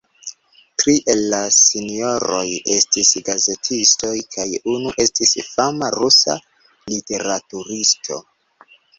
Tri el la sinjoroj estis gazetistoj kaj unu estis fama rusa literaturisto.